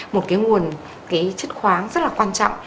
một cái nguồn chất khoáng rất là quan trọng